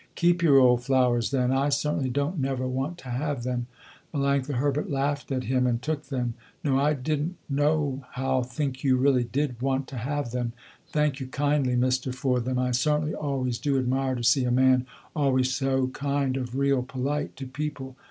"Keep your old flowers then, I certainly don't never want to have them." Melanctha Herbert laughed at him and took them. "No, I didn't nohow think you really did want to have them. Thank you kindly mister, for them. I certainly always do admire to see a man always so kind of real polite to people."